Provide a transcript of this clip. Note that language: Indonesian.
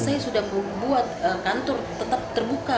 saya sudah membuat kantor tetap terbuka